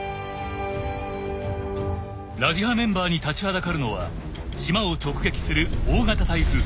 ［ラジハメンバーに立ちはだかるのは島を直撃する大型台風。